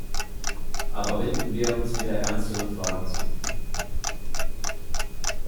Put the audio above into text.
Aber wenden wir uns wieder ernsteren Fragen zu.